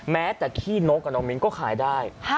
แม้แต่ขี้นกกับน้องมิ้นก็ขายได้